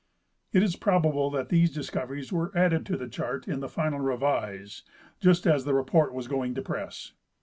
It is probable that these discoveries were adde I to the chart in the final revise, just as the report was going to press.